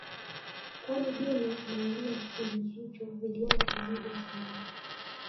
kwani dini na elimu kipindi hicho vilienda pamoja sana